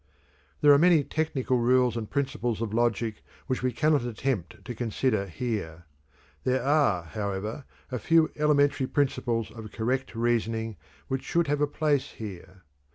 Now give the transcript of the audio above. There are many technical rules and principles of logic which we cannot attempt to consider here. There are, however, a few elementary principles of correct reasoning which should have a place here.